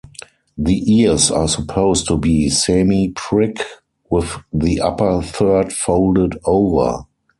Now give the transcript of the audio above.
The ears are supposed to be semi-prick, with the upper third folded over.